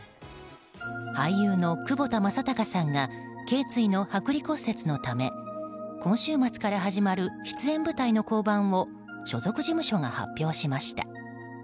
俳優の窪田正孝さんが頸椎のはく離骨折のため今週末から始まる出演舞台の降板を所属事務所が発表しました。